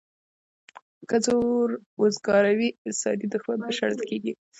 که زور وکاروي، انساني دوښمن به شړل کېږي.